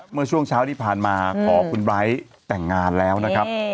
เมื่อช่วงเช้าที่ผ่านมาขอคุณไบร์ทแต่งงานแล้วนะครับ